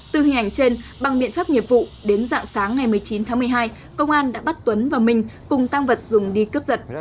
từ hình ảnh trên bằng biện pháp nghiệp vụ đến dạng sáng ngày một mươi chín tháng một mươi hai công an đã bắt tuấn và minh cùng tăng vật dùng đi cướp giật